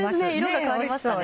色が変わりましたね。